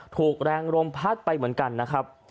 ถูกแรงลมพัดไปเหมือนกันนะครับ